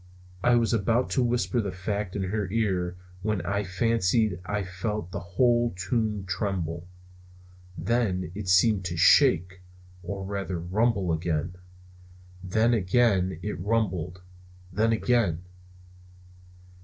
I was about to whisper the fact in her ear when I fancied I felt the whole tomb tremble! Then it seemed to shake, or rather rumble again. Then again it rumbled. Then again!